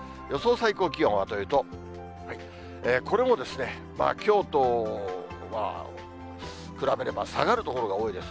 最高気温はというと、これもきょうとは、比べれば下がる所が多いです。